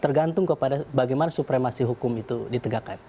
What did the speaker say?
tergantung kepada bagaimana supremasi hukum itu ditegakkan